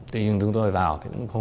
tuy nhiên chúng tôi vào